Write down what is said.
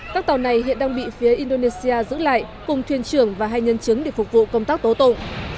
các tàu này hiện đang bị phía indonesia giữ lại cùng thuyền trưởng và hai nhân chứng để phục vụ công tác tố tụng